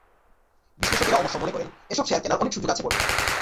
বিশ্লেষকেরা অবশ্য মনে করেন, এসব শেয়ার কেনার অনেক সুযোগ আছে বটে।